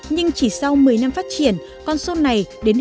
nhưng chỉ sau một mươi năm phát triển con số này đến hết